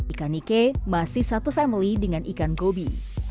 ikan nike masih satu family dengan ikan gobi